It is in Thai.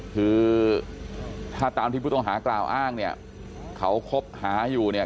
คือถ้าตามที่ผู้ต้องหากล่าวอ้างเนี่ยเขาคบหาอยู่เนี่ย